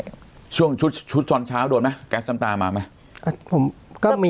ชั่วเชิงชีวชดช่อนเช้าโดนไหมแก๊สต้ำตาลมาไหม